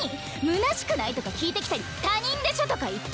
「むなしくない？」とか聞いてきたり「他人でしょ？」とか言って。